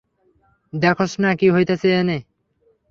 দেখস না কি হইতাসে এনে?